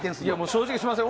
正直すみません。